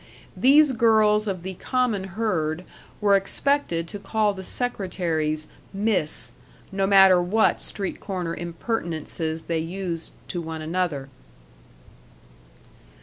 These girls of the common herd were expected to call the secretaries, "Miss," no matter what street corner impertinences they used to one another.